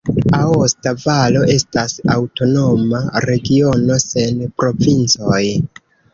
Aosta Valo estas aŭtonoma regiono sen provincoj.